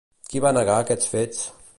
Qui va negar aquests fets?